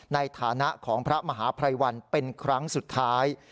ในฐานะของพระมหาภัยวันเป็นครั้งสุดท้าย